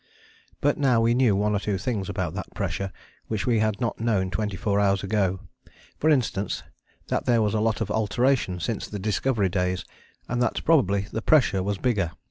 But we now knew one or two things about that pressure which we had not known twenty four hours ago; for instance, that there was a lot of alteration since the Discovery days and that probably the pressure was bigger.